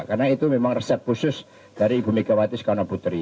karena itu memang resep khusus dari ibu megawati soekarno putri